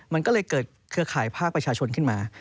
มันก็เลยเกิดเครือข่ายภาคประชาชนขึ้นมา